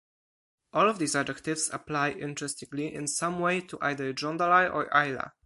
All of these adjectives apply, interestingly, in some way to either Jondalar or Ayla.